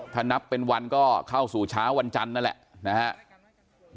ถ้านับเป็นวันก็เข้าสู่เช้าวันจันทร์นั่นแหละนะครับ